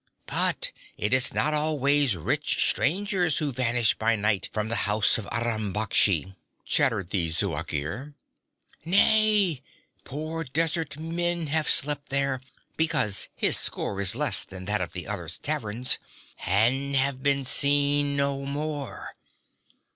'But it is not always rich strangers who vanish by night from the house of Aram Baksh!' chattered the Zuagir. 'Nay, poor desert men have slept there because his score is less than that of the other taverns and have been seen no more.